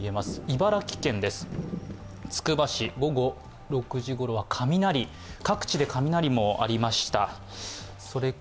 茨城県です、つくば市、午後６時ごろ、各地で雷もありました。